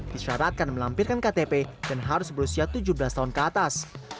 disyaratkan melampirkan ktp dan harus berusia tujuh belas tahun ke atas